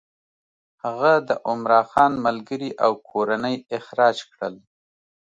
هغه د عمرا خان ملګري او کورنۍ اخراج کړل.